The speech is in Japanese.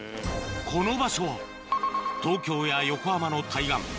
この場所は東京や横浜の対岸